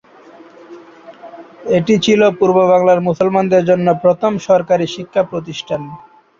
এটি ছিল পূর্ববাংলার মুসলমানদের জন্য প্রথম সরকারি শিক্ষা প্রতিষ্ঠান।